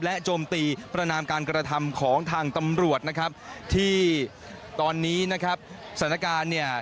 โจมตีประนามการกระทำของทางตำรวจนะครับที่ตอนนี้นะครับสถานการณ์เนี่ย